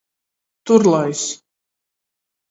Turlais.